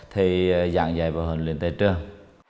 thì giảng dạy và huấn luyện tới trường